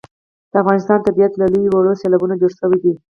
د افغانستان طبیعت له لویو او وړو سیلابونو جوړ شوی دی.